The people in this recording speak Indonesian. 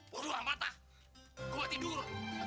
waduh amatah gua tidur